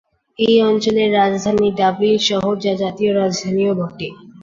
এই অঞ্চলের রাজধানী ডাবলিন শহর যা জাতীয় রাজধানীও বটে।